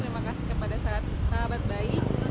terima kasih kepada sahabat baik